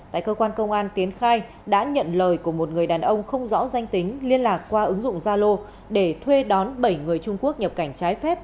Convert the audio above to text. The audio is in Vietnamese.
tại cơ quan công an tiến khai đã nhận lời của một người đàn ông không rõ danh tính liên lạc qua ứng dụng zalo để thuê đón bảy người trung quốc nhập cảnh trái phép